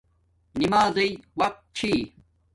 نمازݵ وقت چھی